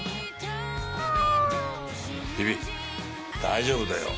ビビ大丈夫だよ。